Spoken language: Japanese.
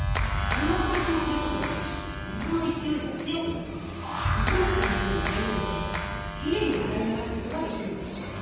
この形にすることで水のいきおいが強くなってうずまきのように流れるのできれいにあらい流すことができるんです。